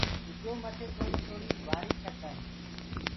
ٻجو مٿي ٿوڙي ٿوڙي وآري ڇٽدآ هين